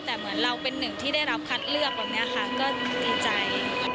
แต่เหมือนเราเป็นหนึ่งที่ได้รับคัดเลือกแบบนี้ค่ะก็ดีใจ